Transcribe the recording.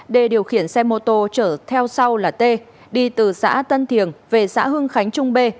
d điều khiển xe mô tô chở theo sau là t đi từ xã tân thiềng về xã hương khánh trung b